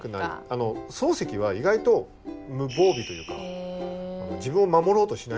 あの漱石は意外と無防備というか自分を守ろうとしないんですね。